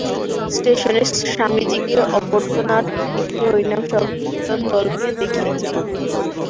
ষ্টেশনে স্বামীজীকে অভ্যর্থনার্থ একটি হরিনাম-সংকীর্তনদলকে দেখিয়াছিলাম।